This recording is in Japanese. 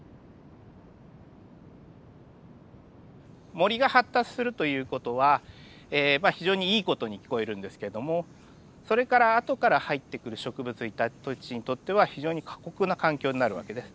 森が発達するという事は非常にいい事に聞こえるんですけどもそれからあとから入ってくる植物たちにとっては非常に過酷な環境になる訳です。